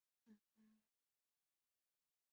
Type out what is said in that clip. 回国后任邮传部员外郎。